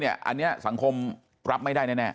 อันนี้สังคมรับไม่ได้แน่